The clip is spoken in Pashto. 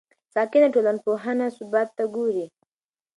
ساکنه ټولنپوهنه ثبات ته ګوري.